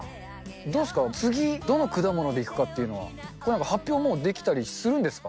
どうすか、次、どの果物でいくかっていうのは、発表、もうできたりするんですか。